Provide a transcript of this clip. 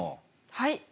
はい。